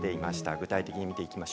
具体的に見ていきます。